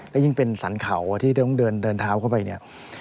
และยิ่งเป็นสรรเขาที่ต้องเดินเท้าเข้าไปเนี่ย